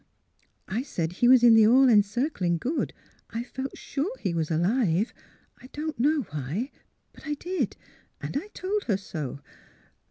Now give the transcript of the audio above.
I said he was in the All Encircling Good. I felt sure he was alive. I don't know why; but I did. And I told her so.